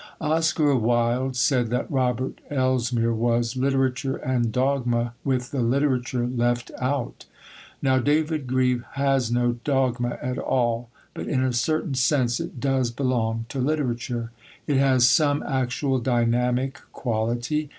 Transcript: Oscar Wilde said that Robert Elsmere was Literature and Dogma with the literature left out. Now, David Grieve has no dogma at all, but in a certain sense it does belong to literature. It has some actual dynamic quality.